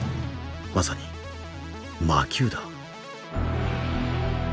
まさに“魔球”だ。